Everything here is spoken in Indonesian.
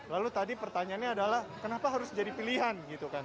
lalu tadi pertanyaannya adalah kenapa harus jadi pilihan